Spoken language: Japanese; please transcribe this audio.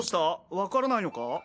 わからないのか？